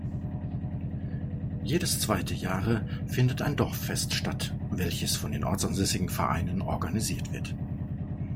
Jedes zweite Jahre findet ein Dorffest statt, welches von den ortsansässigen Vereinen organisiert wird.